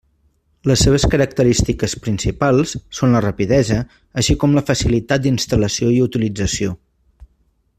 Les seves característiques principals són la rapidesa així com la facilitat d'instal·lació i utilització.